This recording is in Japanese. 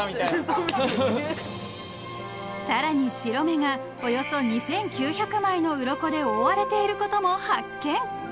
［さらに白目がおよそ２，９００枚のうろこで覆われていることも発見］